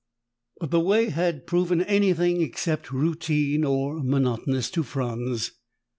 But the way had proven anything except routine or monotonous to Franz.